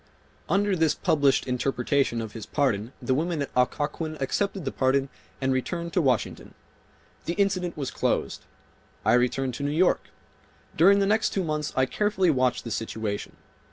Under this published interpretation of his pardon the women at Occoquan accepted the pardon and returned to Washington. The incident was closed. I returned to New York. During the next two months I carefully watched the situation.